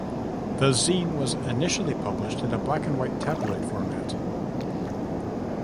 The zine was initially published in a black and white tabloid format.